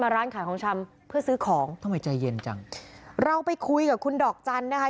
ร้านขายของชำเพื่อซื้อของทำไมใจเย็นจังเราไปคุยกับคุณดอกจันทร์นะคะ